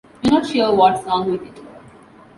We're not sure what's wrong with it.